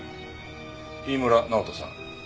飯村直人さん